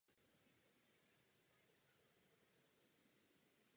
Je rovněž zalesněný smrkem.